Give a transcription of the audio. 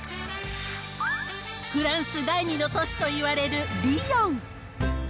フランス第２の都市といわれるリヨン。